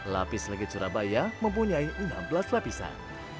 lapis legit surabaya mempunyai enam belas lapisan